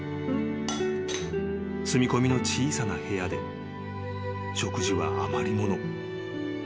［住み込みの小さな部屋で食事は余り物］